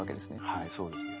はいそうですね。